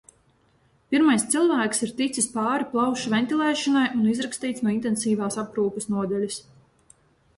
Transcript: Pirmais cilvēks ir ticis pāri plaušu ventilēšanai un izrakstīts no intensīvās aprūpes nodaļas.